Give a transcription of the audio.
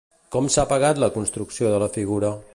Com s'ha pagat la construcció de la figura?